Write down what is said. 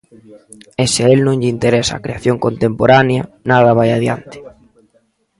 E se a el non lle interesa a creación contemporánea, nada vai adiante.